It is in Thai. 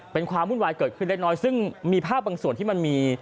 เป็นความวุ่นวายเกิดขึ้นเล็กน้อยซึ่งมีภาพบางส่วนที่มันมี